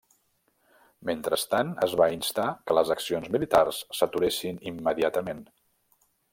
Mentrestant, es va instar que les accions militars s'aturessin immediatament.